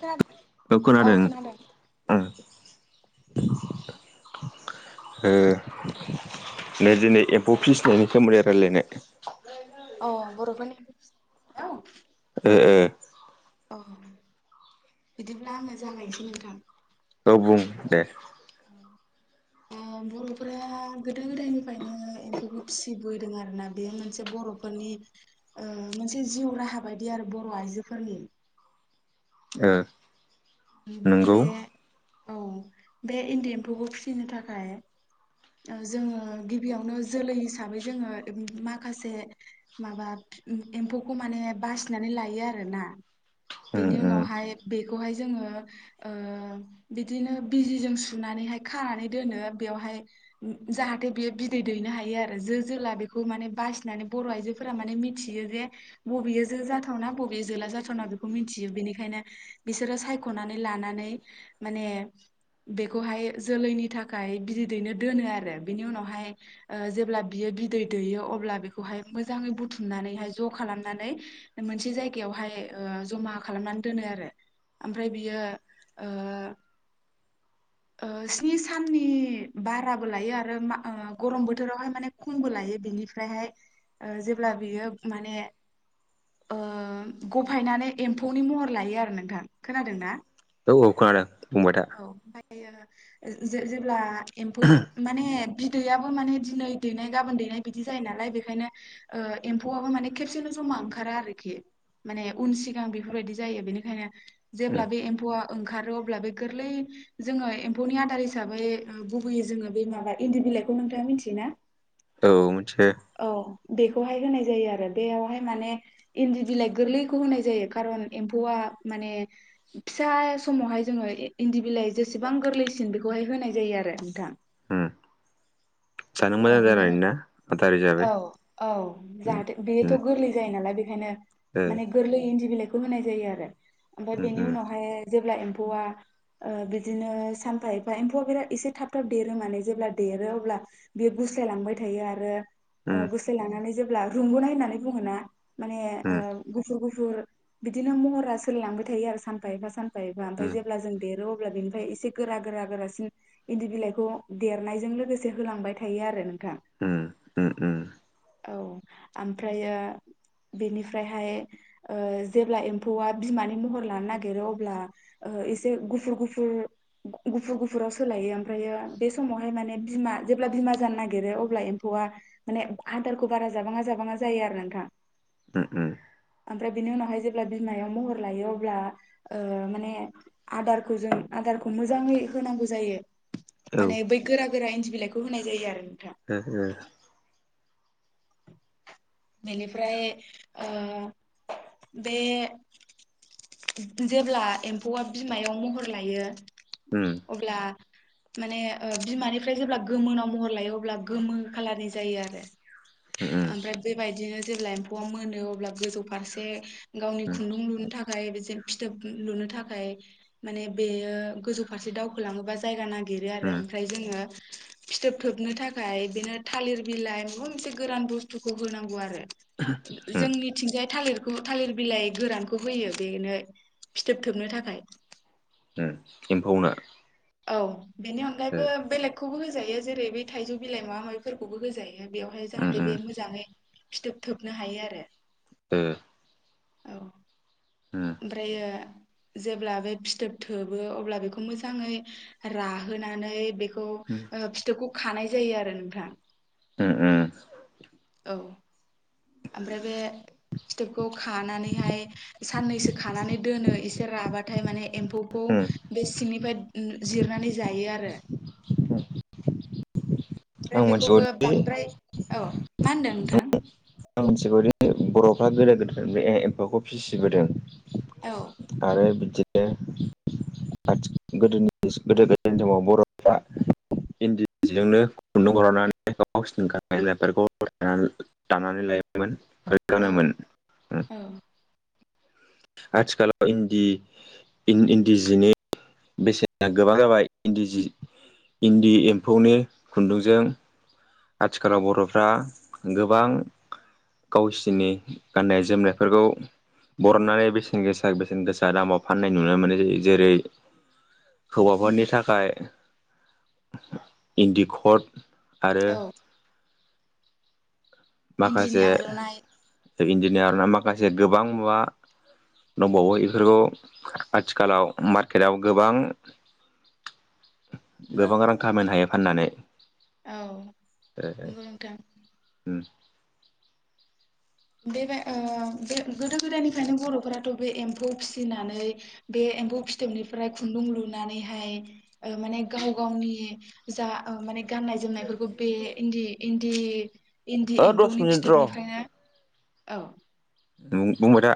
खोनादों औ खोनादों ओं, ओ ओ नै दिनै एम्फौ फिसिनायनि सोमोन्दै रायलायनाय। अ बर'फोरनि एम्फौ फिसिनायनि सायाव? ओ, ओ अ बिदिब्ला आङो जागायनोसै नोंथां। औ बुं दे ओ बर'फोरा गोदो गोदायनिफ्रायनो एम्फौखौ फिसिबोदों आरोना बे मोनसे बरफोरनि ओ मोनसे जिउ राहा बायदि आरो बर आइजोफोरनि। ओ उम नंगौ बे औ बे इन्दि एम्फौखौ फिसिनो थाखाय ओ जोङो गिबियावनो जोलै हिसाबै जोङो माखासे माबा एम्फौखौ माने बासिनानै लायो आरोना उम बेनि उम उनावहाय बेखौहाय जोङो ओ बिदिनो बिजिजों सुनानैहाय खानानै दोनो बेवहाय जाहाथे बियो बिदै दैनो हायो आरो जो जोला बेखौ माने बासिनानै बर आइजोफोरा माने मिथियो जे बबेयो जो जाथावना बबे जोला जाथावना बेखौ मिथियो बेनिखायनो बिसोरो सायखनानै लानानै माने बेखौहाय जोलैनि थाखाय बिदै दैनो दोनो आरो बिनि उनावहाय ओ जेब्ला बियो बिदै दैयो अब्ला बेखौहाय मोजाङै बुथुमनानैहाय ज खालामनानै मोनसे जायगायावहाय ओ जमा खालामनानै दोनो आरो। ओमफ्राय बियो ओ ओ स्नि साननि बाराबो लायो आरो मा गरम बोथोरावहाय माने खमबो लायो बिनिफ्रायहाय ओ जेब्ला बियो माने ओ गफायनानै एम्फौनि महर लायो आरो नोंथां, खोनादोंना? ओ, औ खोनादों। बुंबाय था औ ओमफ्राय बियो जे -जे जेब्ला एम्फौ माने बि दैयाबो माने दिनै दैनाय गाबोन दैनाय बिदि जायो नालाय बेखायनो ओ एम्फौआबो माने खेबसेनो जमा ओंखारा आरोखि माने उन सिगां बेफोरबायदि जायो बेनिखायनो उम जेब्ला बे एम्फौआ ओंखारो अब्ला बे गोरलै जोङो एम्फौनि आदार हिसाबै उम गुबैयै जोङो बे माबा इन्दि बिलाइखौ नोंथाङा, मिथियोना? औ मोनथियो। औ बेखौहाय होनाय जायो आरो बेयावहाय माने इन्दि बिलाइ गोरलैखौ होनाय जायो खारन एम्फौआ माने फिसा समावहाय जोङो इन्दि बिलाइ जेसेबां गोरलैसिन बेखौहाय होनाय जायो आरो नोंथां। उम जानो औ मोजां बेनि जानायनि ना? आदार औ, हिसाबै औ उम जाहाथे बेयोथ' उम गोरलै जायो नालाय बेखायनो ओ माने गोरलै इन्दि बिलाइ फोर होनाय जायो आरो ओमफ्राय उम बेनि उम उनावहाय जेब्ला एम्फौआ ओ बिदिनो सानफा एफा एम्फौआ बिराद एसे थाब थाब देरो माने, जेब्ला देरो अब्ला बेयो गुस्लाय लांबाय थायो आरो उम गुस्लाय लांनानै जेब्ला रुंगनाय होननानै बुङो ना माने ओ उम गुफुर गुफु गुफुर बिदिनो महरा सोलिलांबाय थायो आरो सानफा एबा सानफा फायबा ओमफ्राय उम जेब्ला जों देरो अब्ला बिनिफ्राय एसे गोरा गोरा गोरासिन इन्दि बिलाइखौ देरनायजों लोगोसे होलांबाय थायो आरो नोंथां उम उम उम औ ओमफ्रायो बेनिफ्रायहाय जेब्ला एम्फौआ बिमानि महर लानो नागिरो अब्ला एसे गुफुर गुफुर गुफुर गुफुराव सोलायो ओमफ्रायो बे समावहाय माने बिमा जेब्ला बिमा जानो नागिरो अब्ला एम्फौआ माने आदारखौ बारा जाबाङा जाबाङा जायो आरो नोंथां। उम उम ओमफ्राय बिनि उनावहाय जेब्ला बिमायाव महर लायो अब्ला माने आदारखौ जों आदारखौ मोजाङै होनांगौ जायो। औ ओ माने बै गोरा गोरा इन्दि बिलाइखौ होनाय जायो आरो नोंथां ओ ओ बेनिफ्राय ओ बे जेब्ला एम्फौआ बिमायाव महर लायो उम अब्ला माने ओ बिमानिफ्राय जेब्ला गोमोनाव महर लायो अब्ला गोमो खालारनि जायो आरो उम ओमफ्राय बेबायायदिनो जेब्ला एम्फौआ मोनो अब्ला गोजौ फारसे गावनि उम खुन्दुं लुनो थाख फिथोब लुनो थाखाय माने बेयो गोजौ फारसे दावखोलाङोबा जायगा ना नागिरो आरो उम ओमफ्राय जोङो फिथोब थोबनो थाखाय बिदिनो थालिर बिलाइ माबा मोनसे गोरान बुस्थुखौ होनांगौ आरो जोंनिथिंजाय थालिर थालिर बिलाइ गोरानखौ होयो बेनो फिथोबथोबनो थाखाय। उम एम्फौनो? औ। बेनि ओ अनगायैबो बेलेग खौबो होजायो जेरै बेै थाइजौ बिलाइ माबा माबि बेफोरखौबो होजायो। बेवहाय उम जाहाथे उम बे मोजाङै फिथोब थोबनो हायो आरो ओ औ उम ओमफ्रायो जेब्ला बे फिथोब थोबो अब्ला बेखौ मोजाङै राहोनानै बेखौ उम खौ ओ फिथोबखौ खानाय जायो आरो नोंथां। ओ ओ औ ओमफ्राय बे फिथोबखौ खानानैहाय साननैसो खानानै दोनो एसे राबाथाय माने एम्फौ खौ उम बे सिंनिफ्राय जिरनानै जायो आरो उम ओमफ्राय आं बेखौबो मिथिगौदि बांद्राय औ मा होनदों नोंथां? फोरा गोदो गोदाय बे एम्फाखौ फिसिबोदों औ आरो बिदिनो [unintelligible] समाव बरफ्रा इिन्द जिजोंनो [unintelligible] औ [unintelligible] औ ओं आथिखालाव इन्दि इन्दि जिनि बेसेना गोबां जाबाय इन्दि जि इन्दि एम्फौनि खुन्दुंजों आथिखालाव बर'फ्रा गोबां गावसोरनि गाननाय जोमनायफोरखौ बरननानै बेसेन गोसा बेसेन गोसा दामाव फाननाय नुनो मोन्नाय जायो जेरै हौवाफोरनि उम थाखाय इन्दिख'द आरो औ इन्दिनि माखासे आर'नाइ इन्दिनि आरनाइ माखासे गोबां मुवा दंबावो इफोरखौ आथिखालाव मार्केटाव गोबां गोबां रां खामायनो हायो फाननानै। औ नंगौ नोंथां। उम बेबाय ओ बे गोदो गोदायनिफ्रायनो बर'फोराथ बे एम्फौ फिसिनानै बे एम्फौ फिथोबनिफ्राय खुन्दुं लुनानैहाय ओ माने गाव गावनि जा ओ माने गाननाय जोमनायफोरखौ बे इन्दि इन्दि [unintelligible] इन्दि ओ दस एम्फौनि मिनिट र' फिथोबनिफ्रायनो ओव नों बुंबाय था।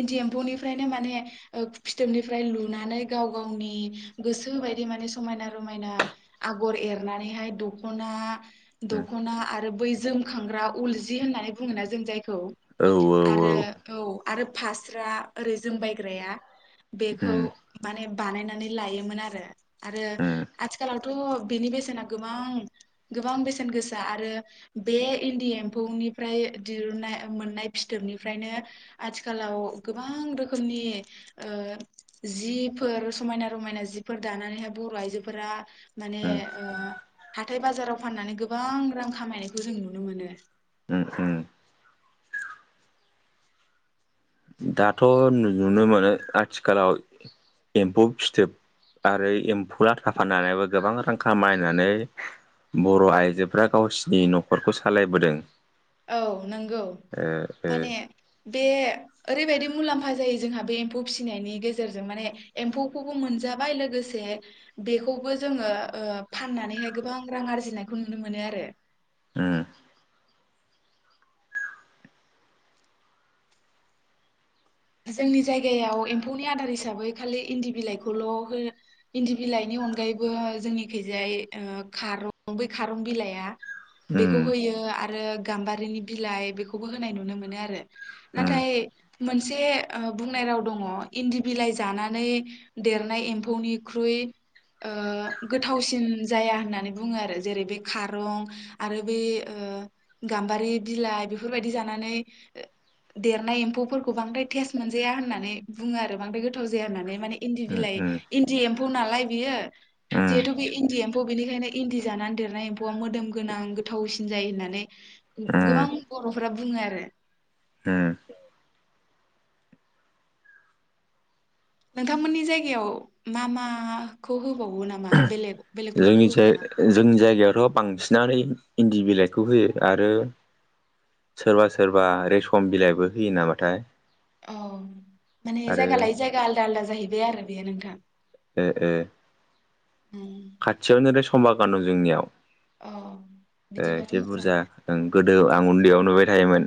इन्दि एम्फौनिफ्रायनो माने ओ फिथोबनिफ्राय लुनानै गाव गावनि गोसोबायदि माने समायना रमायना आगर एरनानैहाय दखना दखना आरो बै जोमखांग्रा उलजि होन्नानै बुङोना जों जाय खौ औ औ आरो औ आरो फास्रा ओरै जोमबायग्राया बेखौ उम माने बानायनानै लायोमोन आरो आरो उम आथिखालावथ' थ' बेनि बेसेना गोबां गोबां बेसेन गोसा आरो बे इन्दि एम्फौनिफ्राय दिरुनना मोननाय फिथोबनिफ्रायनो आथिखालाव गोबां रोखोमनि ओ जिफोर समायना रमायना जिफोर दानानैहाय बर' आइजोफोरा माने उम ओ हाथ हाथाय बाजाराव फाननानै गोबां रां खामायनायखौ जों नुनो मोनो। ओं उम। दाथ' नुनो मोनो आथिखालाव एम्फौ फिथोब आरो एम्फौ लाथा फानानैबो गोबां रां खामायनानै बर' आइजोफ्रा गावसिनि न'खरखौ सालायबोदों। ओव नंगौ ओ ओ माने बे ओरैबायदि मुलाम्फा जायो जोंहा बे एम्फौ फिसिनायनि गेजेरजों माने एम्फौखौबो मोनजाबाय लोगोसे बेखौबो जोङो ओ फाननानैहाय गोबां रां आरजिनायखौ नुनो मोनो आरो। उम। जोंनि जायगायाव एम्फौनि आदार हिसाबै खालि इन्दि बिलाइखौल' होयो। इन्दि बिलाइनि अनगायैबो जोंनिखैजाय ओ खारं बै खारं बिलाइआ बेखौ उम होयो आरो गाम्बारिनि बिलाइ बेखौबो होनाय नुनो मोनो आरो। उम उम नाथाय मोनसे मोनसे बुंनाय राव दङ इन्दि बिलाइ जानानै देरनाय एम्फौनिख्रुइ ओ गोथावसिन जाया होननानै बुङो आरो। जेरै बे खारं बांद्राय टेस्ट मोनजाया होननानै बुङो आरो बांद्राय गोथाव जाया होननानै माने इन्दि बिलाइ उम इन्दि एम फौ नालाय बियो उम जिहेथु बे इन्दि एम्फौ। बेनिखायनो इन्दि जाना देरनाय एम्फौआ मोदोम गोनां गोथावसिन जायो होननानै उम गो-गोबां बर'फोरा बुङो आरो। उम नोंथांमोननि जायगायाव मा मा खौ होबावो नामा बेलेग बेलेगफोरखौ होबावो जोंनिसाय नामा जोंनि जायगायावथ बांसिनानो इन इन्दि बिलाइखौ होयो आरो सोरबा सोरबा रेसम बिलाइबो होयो नामाथाय अउ माने आरो जायगा लायै जायगा आलदा आलदा जाहै बे आरो बेयो नोंथां। ए ए खाथियावनो बे सम बागान दं जोंनियाव। औ बिदिबाथ' एसे बुरजा मोजाङानो ओं गोद औ आं उन्दैयाव नुबाय थायोमोन।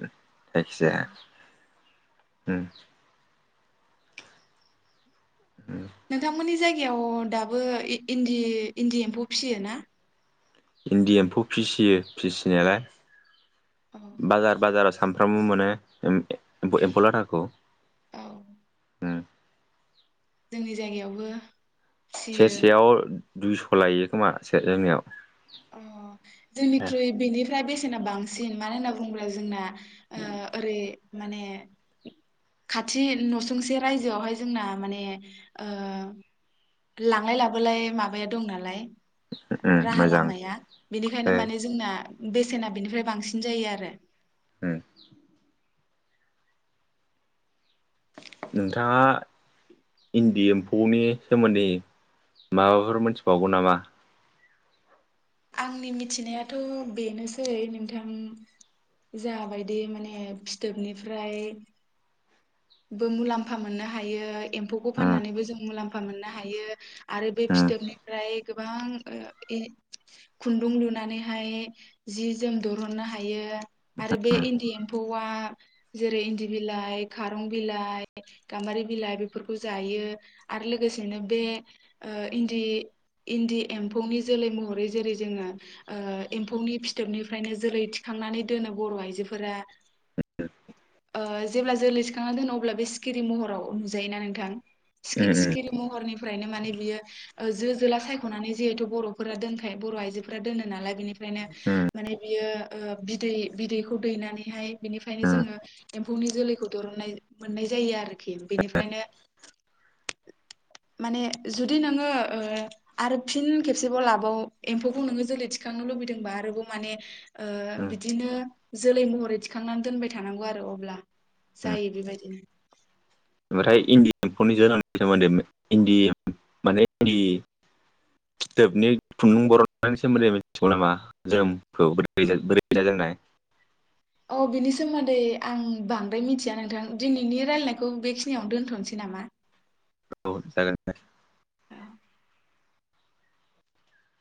जायखिजाया उम। हुम। उम नोंथांमोननि जायगायाव दाबो इन्दि इन्दि एम्फौ फिसियो ना? इन्दि एम्फौ फिसियो फिसिनायालाय औ बाजार बाजारावसो सामफ्रामबो मोनो एम एम्फौ लाथाखौ। औ। उम। जोंनि जायगायावबो फिसियो सेरसेयाव दुइस' लायो खोमा से जोंनियाव। अ जोंनिख्रुइ बेनिफ्राय बेसे सेना बांसिन मानो होनना बुङोब्ला जोंना ओ ओरै माने खाथि नसुंसे रायजो आवहाय जोंना माने ओ लांलाय लाबोलाय माबाया दं नालाय उम राहा मोजां लामाया बेनिखायनो ए माने जोंना बेसेना बेनिफ्राय बांसिन जायो आरो। ओ नोंथाङा इन्दि एम्फौनि सोमोन्दै माबाफोर मोनथिबावगौ नामा? आंनि मिथिनायाथ बेनोसै नोंथां जाबायदि माने फिथोबनिफ्राय बो मुलाम्फा मोननो हायो। एम्फौखौ उम फाननानै बो जों मुलाम फा मोननो हायो। आरो बे उम फिथोबनिफ्राय गोबां ओ ए खुन्दुं लुनानैहाय जि जोम दुरुननो हायो। आरो बे इन्दि एम्फौआ जेरै इन्दि बिलाइ खारं बिलाइ, गाम्बारि बिलाइ बेफोरखौ जायो आरो लोगोसेनो बे ओ इन्दि-इन्दि एम्फौनि जोलै महरै जेरै जोङो ओ एम्फौनि फिथोबनिफ्रायनो जोलै थिखांनानै दोनो बर' आइजोफोरा ओ ज जेब्ला जोलै थांङा दोनो अब्ला बे सिखिरि महराव नुजायोना नोंथां? उम सिखि-सिखिरि महरनिफ्रायनो माने बियो ओ जो जोला सायखनानै जिहेथु बर' फोरा दोनखायो बर' आइजोफोरा दोनो नालाय बिनि फ्रायनो उम माने बियो ओ बिदै-बिदैखौ दैनानैहाय बिनिफ्रायनो उम उम जोङो एम्फौनि जोलैखौ दरनाय मोननाय जायो आरोखि बेनिफ्रायनो माने जुदि नोङो ओ आरो फिन खेबसेबाव लाबाव एम्फौखौ नोङो जोलै थिखांनो लुबैदोंबा आरोबाव माने ओ बिदिनो जोलै महरै थिखांनानै दोनबाय थानांगौ आरो अब्ला उम जायो बेबायदिनो ओमफ्राय इन्दि एम्फौनि जोनोमनि सोमोन्दै इन्दि माने इन्दि फिथोबनि खुन्दुं बर नि सोमोन्दै मिथिगौ नामा जोमखौ बोरै जोंनाय? अ बिनि सोमोन्दै आं बांद्राय मिथिया नोंथां दिनैनि रायजलायनायखौ बेखिनियावनो दोनथनोसै नामा? औ जागोन दे। औ